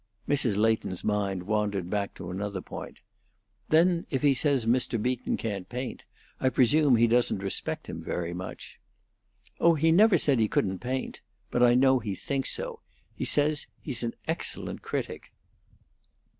Mrs. Leighton's mind wandered back to another point. "Then if he says Mr. Beaton can't paint, I presume he doesn't respect him very much." "Oh, he never said he couldn't paint. But I know he thinks so. He says he's an excellent critic."